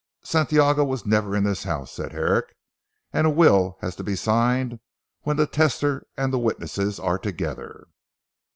"Santiago was never in this house," said Herrick, "and a will has to be signed when the testator and the witnesses are together."